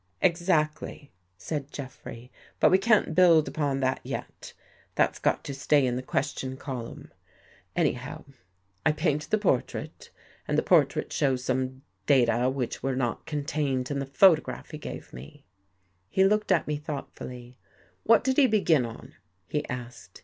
" Exactly," said Jeffrey. " But we can't build upon that yet. That's got to stay in the question 72 BELIEVING IN GHOSTS column. Anyhow, I paint the portrait, and the por trait shows some data which were not contained in the photograph he gave me.'^ He looked up at me thoughtfully. " What did he begin on? " he asked.